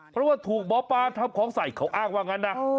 เพราะว่าถูกหมอปลาทำของใส่เขาอ้างว่างั้นนะ